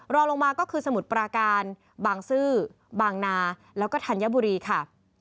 รองลงมาก็คือสมุทรปราการบางซื่อบางนาแล้วก็ธัญบุรีค่ะ